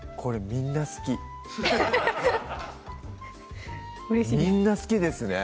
みんな好きですね